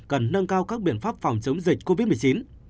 cần nâng cao các biện pháp phòng chống dịch covid một mươi chín